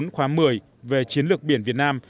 khóa một mươi về chiến lược biển việt nam